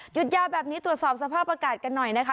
ยาวแบบนี้ตรวจสอบสภาพอากาศกันหน่อยนะคะ